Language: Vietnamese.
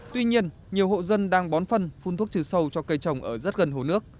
tuy nhiên nhiều hộ dân đang bón phân phun thuốc trừ sâu cho cây trồng ở rất gần hồ nước